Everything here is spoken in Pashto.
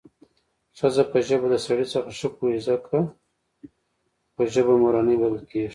ښځه په ژبه د سړي څخه ښه پوهېږي څکه خو ژبه مورنۍ بلل کېږي